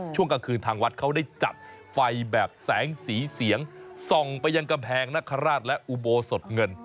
ช่วงกลางคืนทางวัดเขาได้จัดไฟแบบแสงสีเสียงส่องไปยังกำแพงนคราชและอุโบสถเงิน